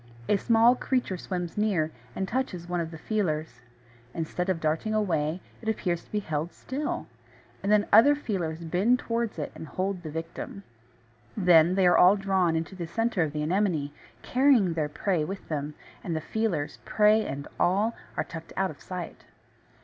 A small creature swims near, and touches one of the feelers. Instead of darting away, it appears to be held still; and then other feelers bend towards it and hold the victim. Then they are all drawn to the centre of the Anemone, carrying their prey with them; and the feelers, prey and all, are tucked out of sight.